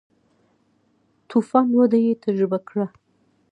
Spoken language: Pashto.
تو فان وده یې تجربه کړه.